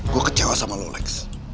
gua kecewa sama lu lex